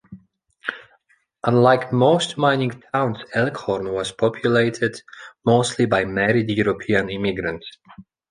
Unlike most mining towns, Elkhorn was populated mostly by married European immigrants.